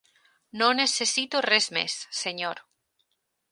No necessito res més, Senyor.